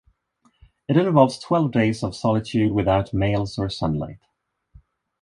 It involves twelve days of solitude without males or sunlight.